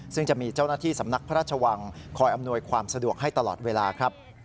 ซึ่งจะมีเจ้าหน้าที่สำนักพระราชวังคอยอำนวยความสะดวกให้ตลอดเวลาครับ